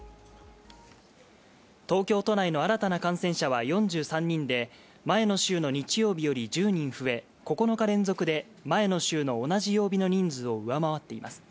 東京都内の新たな感染者は４３人で前の週の日曜日より１０人増え９日連続で前の週の同じ曜日の人数を上回っています。